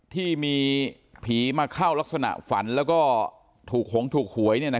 ที่มีผีมาเข้ารักษณะฝันแล้วก็ถูกหงถูกหวย